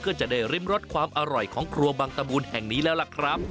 ก็จะได้ริมรสความอร่อยของครัวบังตะบุญแห่งนี้แล้วล่ะครับ